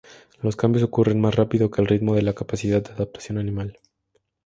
Los cambios ocurren más rápido que el ritmo de la capacidad de adaptación animal.